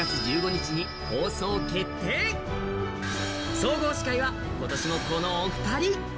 総合司会は今年もこのお二人。